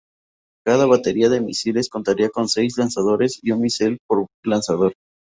Cada batería de misiles contaría con seis lanzadores y un misil por lanzador.